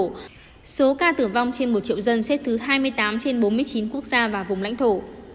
trong số ca tử vong trên một triệu dân xếp thứ hai mươi tám trên bốn mươi chín quốc gia và vùng lãnh thổ